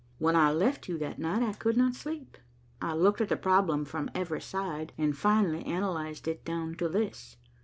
When I left you that night, I could not sleep. I looked at the problem from every side, and finally analyzed it down to this.